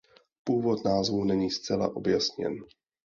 Původ názvu není zcela objasněn.